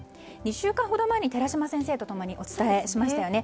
２週間ほど前に寺嶋先生と一緒にお伝えしましたよね。